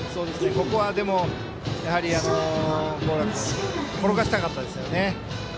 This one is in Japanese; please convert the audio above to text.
ここは、やはり高良君転がしたかったですよね。